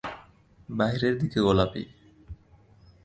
বাহিরের দিকে গোলাপী।